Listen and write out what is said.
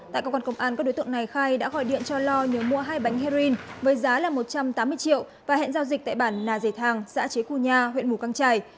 tại công an công an các đối tượng này khai đã gọi điện cho lo nhớ mua hai bánh heroin với giá là một trăm tám mươi triệu và hẹn giao dịch tại bản nà dê thàng xã chế cua nha huyện mù căng trải